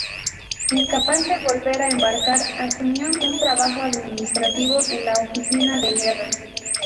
Incapaz de volver a embarcar, asumió un trabajo administrativo en la Oficina de Guerra.